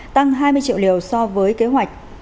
tăng hai mươi triệu liều so với kế hoạch